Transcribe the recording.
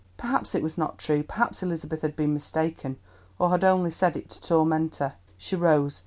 "Perhaps it was not true; perhaps Elizabeth had been mistaken or had only said it to torment her." She rose.